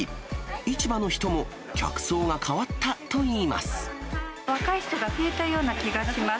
市場の人も、客層が変わったとい若い人が増えたような気がします。